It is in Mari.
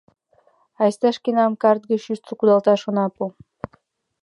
Айста шкенам карт гыч ӱштыл кудалташ она пу!